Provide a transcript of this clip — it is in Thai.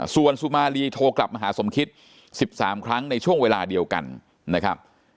ส่วนสุมารีโทรกลับมาหาสมคิต๑๓ครั้งในช่วงเวลาเดียวกันนะครับ